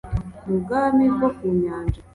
Mu bwami bwo ku nyanja